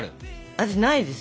私ないです。